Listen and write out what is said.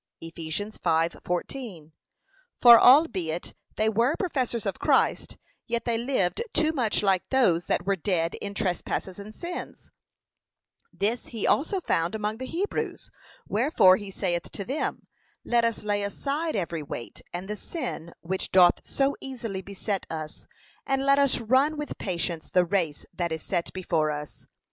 (Eph. 5:14) For albeit they were professors of Christ, yet they lived too much like those that were dead in trespasses and sins, This he also found among the Hebrews, wherefore he saith to them, 'Let us lay aside every weight, and the sin which doth so easily beset us, and let us run with patience the race that is set before us.'